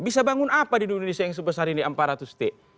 bisa bangun apa di indonesia yang sebesar ini empat ratus t